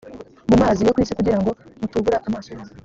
mu mazi yo ku isi kugira ngo mutubura amaso yanyu